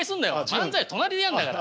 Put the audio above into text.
漫才は隣でやんだから！